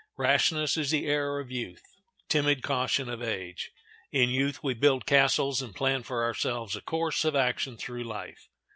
Rashness is the error of youth, timid caution of age. In youth we build castles and plan for ourselves a course of action through life.